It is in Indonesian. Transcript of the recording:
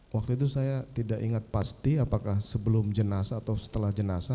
waktu itu saya tidak ingat pasti apakah sebelum jenazah atau setelah jenazah